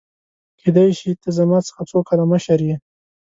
کيدای شي ته زما څخه څو کاله مشر يې !؟